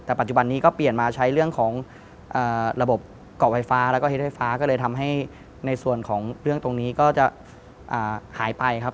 แต่ปัจจุบันนี้ก็เปลี่ยนมาใช้เรื่องของระบบเกาะไฟฟ้าแล้วก็เหตุไฟฟ้าก็เลยทำให้ในส่วนของเรื่องตรงนี้ก็จะหายไปครับ